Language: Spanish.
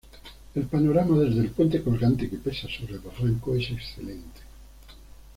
El panorama desde el puente colgante que pesa sobre el barranco es excelente.